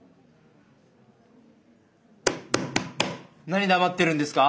何黙ってるんですか？